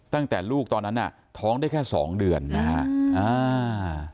ตั้งแต่ลูกตอนนั้นน่ะท้องได้แค่สองเดือนนะฮะ